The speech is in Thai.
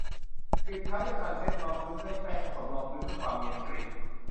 ปิดท้ายด้วยการเซตรองพื้นด้วยแป้งผสมรองพื้นเพื่อความเนียนกริบ